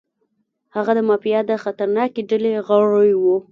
هغه د مافیا د خطرناکې ډلې غړی و.